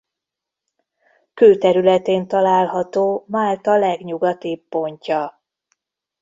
Külterületén található Málta legnyugatibb pontja.